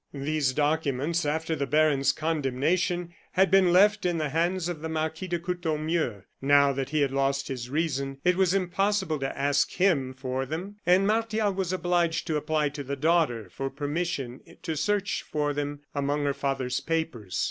These documents, after the baron's condemnation, had been left in the hands of the Marquis de Courtornieu. Now that he had lost his reason, it was impossible to ask him for them; and Martial was obliged to apply to the daughter for permission to search for them among her father's papers.